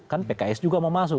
kan pks juga mau masuk